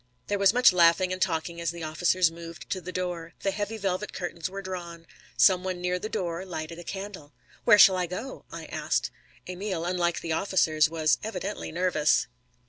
There was much laughing and talking as the officers moved to the door. The heavy velvet curtains were drawn. Some one near the door lighted a candle. "Where shall I go?" I asked. Emil, unlike the officers, was evidently nervous.